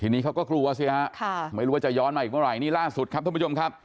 ทีนี้เขาก็กลัวสิฮะไม่รู้ว่าจะย้อนมาอีกเมื่อไหร่นี่ล่าสุดครับท่านผู้ชมครับ